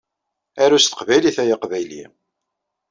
Aru s teqbaylit ay aqbayli!